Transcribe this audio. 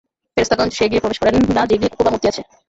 ফেরেশতাগণ সে গৃহে প্রবেশ করেন না, যে গৃহে কুকুর বা মূর্তি আছে।